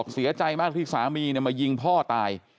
เชื่อใจมากที่สามีนี่มายิงพ่อตาย